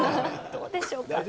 どうでしょうか。